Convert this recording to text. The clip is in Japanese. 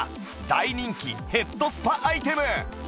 大人気ヘッドスパアイテム